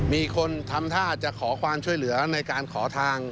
มีคนทำท่าจะขอความช่วยเหลือในการขอทาง